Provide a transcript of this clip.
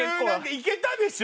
行けたでしょ？